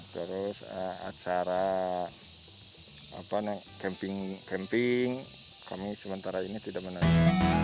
terus acara camping kami sementara ini tidak menanyakan